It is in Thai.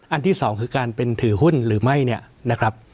ที่สองคือการเป็นถือหุ้นหรือไม่เนี่ยนะครับ